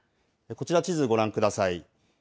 こちら地図ご覧ください。